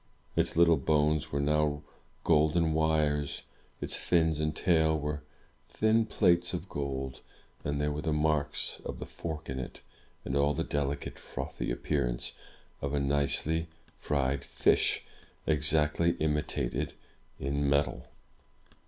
Its Httle bones were now golden wires; its fins and tail were thin plates of gold; and there were the marks of the fork in it, and all the delicate, frothy appearance of a nicely fried fish, exactly imitated in metal.